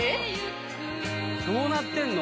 どうなってんの？